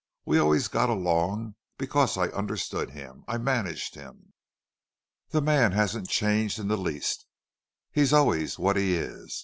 "We always got along because I understood him. I managed him. The man hasn't changed in the least. He's always what he is.